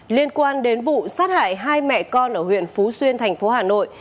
liên quan đến vụ sát hại hai mẹ con ở huyện phú xuyên thành phố hà nội